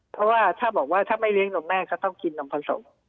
เพราะว่าถ้าบอกว่าถ้าไม่เลี้ยนมแม่ก็ต้องกินนมผสม